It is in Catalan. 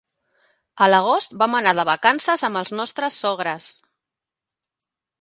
A l'agost vam anar de vacances amb els nostres sogres.